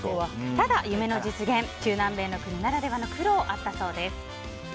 ただ、夢の実現中南米の国ならではの苦労があったそうです。